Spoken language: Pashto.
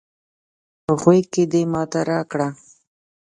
غوږيکې دې ماته راکړه